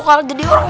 terima kasih butet